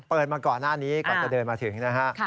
มาก่อนหน้านี้ก่อนจะเดินมาถึงนะฮะ